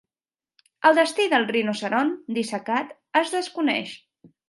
El destí del rinoceront dissecat es desconeix.